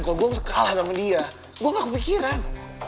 kalau gue udah kalah sama dia gue gak kepikiran